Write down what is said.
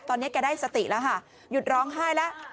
ตอนนี้แกได้สติแล้วค่ะหยุดร้องไห้แล้ว